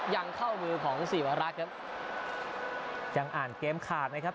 ยังเข้ามือของศรีวรักษ์ครับยังอ่านเกมขาดนะครับ